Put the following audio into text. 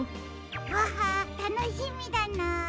わたのしみだな。